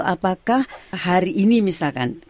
apakah hari ini misalkan